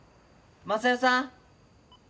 昌代さん！